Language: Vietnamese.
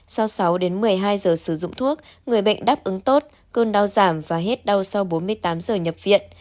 sau sáu đến một mươi hai giờ sử dụng thuốc người bệnh đáp ứng tốt cơn đau giảm và hết đau sau bốn mươi tám giờ nhập viện